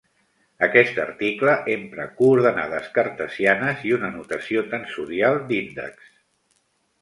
Aquest article empra coordenades cartesianes i una notació tensorial d'índexs.